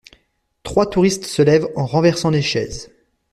Trois touristes se lèvent en renversant les chaises.